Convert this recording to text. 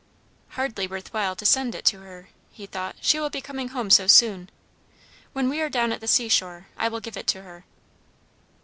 "Hardly worth while to send it to her," he thought. "She will be coming home so soon. When we are down at the seashore, I will give it to her."